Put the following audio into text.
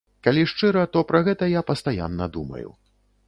Калі шчыра, то пра гэта я пастаянна думаю.